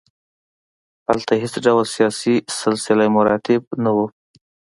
هلته هېڅ ډول سیاسي سلسله مراتب نه وو.